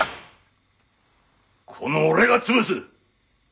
この俺が潰す！